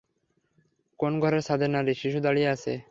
কোন ঘরের ছাদে নারী, শিশু দাড়িয়ে ছিল।